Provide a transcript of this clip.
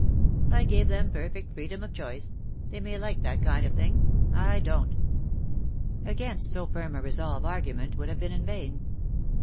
" I gave them perfect freedom of choice. They may like that kind of thing. I don^t.'"* Against so firm a resolve argument would have been vain.